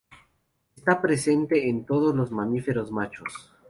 Está presente en todos los mamíferos machos.